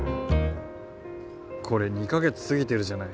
これ２か月過ぎてるじゃない。